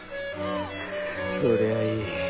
そりゃあいい。